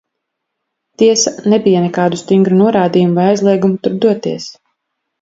Tiesa, nebija nekādu stingru norādījumu vai aizliegumu turp doties.